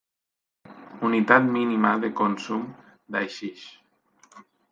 Unitat mínima de consum d'haixix.